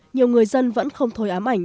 nhiều người dân vẫn không thôi ám ảnh